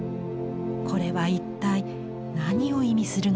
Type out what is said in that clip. これは一体何を意味するのでしょう？